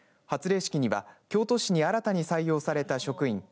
発令式には京都市に新たに採用された職員